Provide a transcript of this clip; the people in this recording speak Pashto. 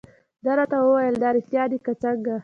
دې راته وویل: دا رېښتیا دي که څنګه؟